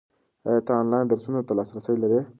ایا ته آنلاین درسونو ته لاسرسی لرې؟